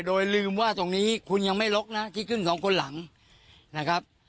โดยลืมว่าตรงนี้คุณยังไม่ลกนะที่ขึ้นสองคนหลังนะครับ